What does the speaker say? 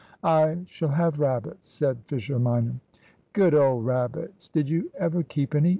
"I shall have rabbits," said Fisher minor. "Good old rabbits! Did you ever keep any?